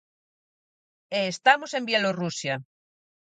E estamos en Bielorrusia.